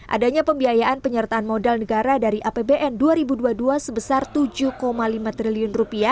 adanya pembiayaan penyertaan modal negara dari apbn dua ribu dua puluh dua sebesar rp tujuh lima triliun